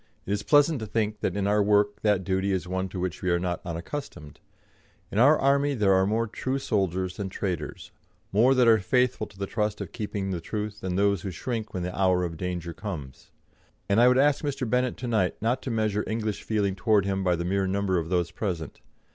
It is pleasant to think that in our work that duty is one to which we are not unaccustomed. In our army there are more true soldiers than traitors, more that are faithful to the trust of keeping the truth than those who shrink when the hour of danger comes. And I would ask Mr. Bennett to night not to measure English feeling towards him by the mere number of those present.